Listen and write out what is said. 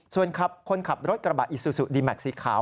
ส่วนคนขับรถกระบะอิซูซูดีแม็กสีขาว